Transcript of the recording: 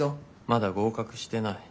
まだ合格してない。